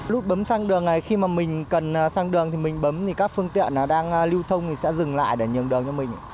lúc bấm sang đường này khi mà mình cần sang đường thì mình bấm thì các phương tiện đang lưu thông thì sẽ dừng lại để nhường đường cho mình